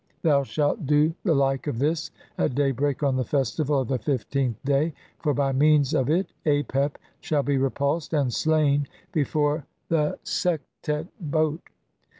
Thou shalt "do the like of this at daybreak on the festival of "the fifteenth day, for by means of it Apep shall be "repulsed and slain before the Sektet boat.